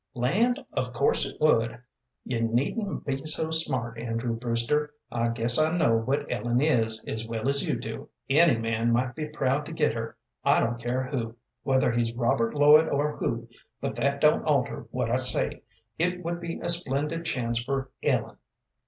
"Land, of course it would! You needn't be so smart, Andrew Brewster. I guess I know what Ellen is, as well as you. Any man might be proud to get her I don't care who whether he's Robert Lloyd, or who, but that don't alter what I say. It would be a splendid chance for Ellen.